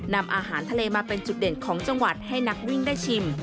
นำอาหารทะเลมาเป็นจุดเด่นของจังหวัดให้นักวิ่งได้ชิม